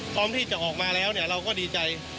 พร้อมที่จะออกมาแล้วเราก็ดีใจ